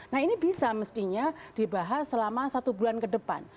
nah ini bisa mestinya dibahas selama satu bulan ke depan